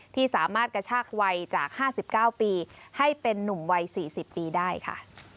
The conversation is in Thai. ที่สามารถกระชากวัยจากห้าสิบเก้าปีให้เป็นหนุ่มวัยสี่สิบปีได้ค่ะ